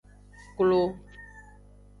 Klo.